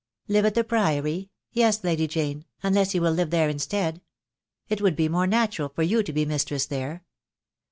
"Live at the Priory — yes, Lady Jane, unless you will live there instead. It would be more natural for you to be mistress there.